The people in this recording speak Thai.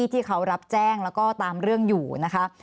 ที่เขารับแจ้งแล้วก็ตามเรื่องอยู่นะคะ